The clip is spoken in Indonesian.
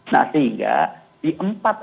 nah sehingga di empat